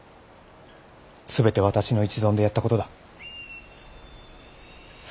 全て私の一存でやったことだ。